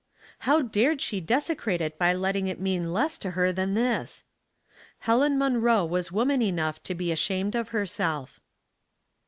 How dared she dese crate it by letting it mean less to her than this ? Helen Munroe was woman enough to be ashamed of herself.